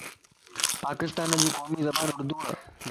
پاڪستانَ جي قومي زبان اردو ءَ.